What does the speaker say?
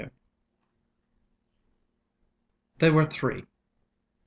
They were three.